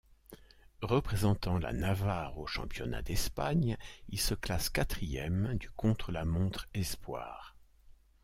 Représentant la Navarre aux championnats d'Espagne, il se classe quatrième du contre-la-montre espoirs.